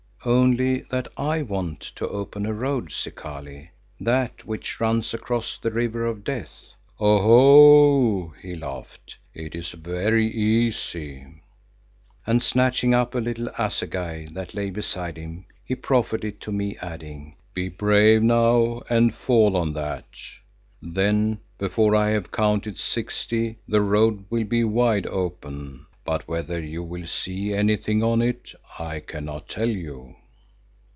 "Only that I want to open a road, Zikali, that which runs across the River of Death." "Oho!" he laughed, "it is very easy," and snatching up a little assegai that lay beside him, he proffered it to me, adding, "Be brave now and fall on that. Then before I have counted sixty the road will be wide open, but whether you will see anything on it I cannot tell you."